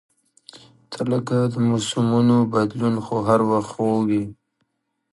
• ته لکه د موسمونو بدلون، خو هر وخت خوږ یې.